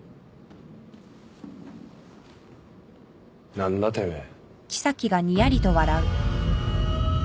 何だてめえ。